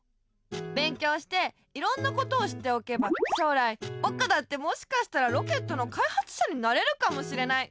勉強していろんなことを知っておけば将来ぼくだってもしかしたらロケットのかいはつしゃになれるかもしれない。